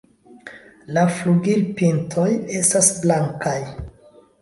La flugilpintoj estas blankaj.